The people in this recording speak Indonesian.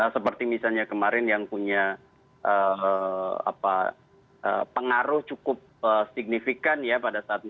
seperti misalnya kemarin yang punya pengaruh cukup signifikan ya pada saat ini